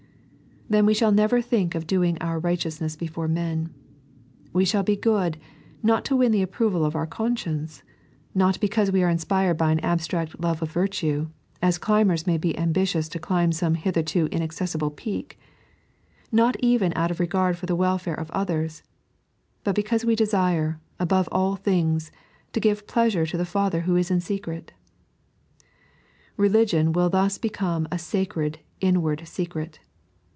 Then we shall never think of doing our righteousness before men. We shall be good, not to win the approval of our conscience ; not because we are inspired by an abstract love of rirtue, as climbers may be ambitious to climb some hitherto inaccessible peak ; not even out of regard for the welfare of others — but because we desire, above all things, to give pleasnre to the Father who is in secret. Religion will thus become a sacred inward secret.